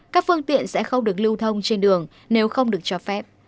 các phương tiện sẽ không được lưu thông trên đường nếu không được cho phép